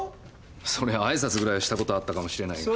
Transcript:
そりゃ挨拶ぐらいはしたことはあったかもしれないが。